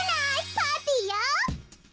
パーティーよ！